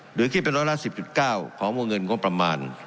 หรือคิดเป็นร้อยละ๑๐๙ของวงเงินงบประมาณ